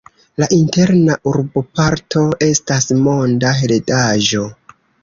La Interna urboparto estas Monda Heredaĵo.